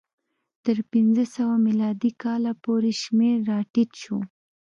تر پنځه سوه میلادي کاله پورې شمېر راټیټ شو.